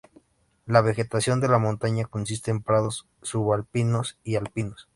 La vegetación de la montaña consiste en prados subalpinos y alpinos.